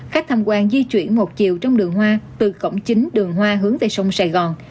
khách tham quan di chuyển một chiều trong đường hoa từ cổng chính đường hoa hướng về sông sài gòn